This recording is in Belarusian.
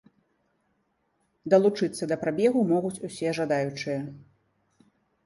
Далучыцца да прабегу могуць усе жадаючыя.